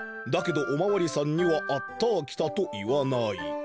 だけどおまわりさんには『あったーきた』と言わない。